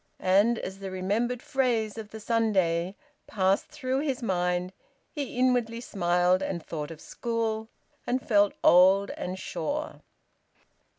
And as the remembered phrase of the Sunday passed through his mind, he inwardly smiled and thought of school; and felt old and sure.